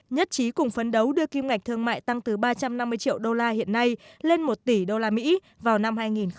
nhất trí cùng phấn đấu đưa kim ngạch thương mại tăng từ ba trăm năm mươi triệu đô la hiện nay lên một tỷ usd vào năm hai nghìn hai mươi